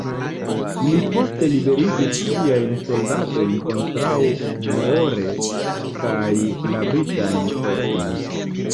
Li poste liberigis siajn soldatojn kontraŭ Moore kaj la Britajn fortojn.